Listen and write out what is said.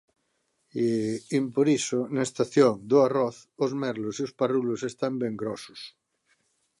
E, emporiso, na estación do arroz, os merlos e os parrulos están ben grosos.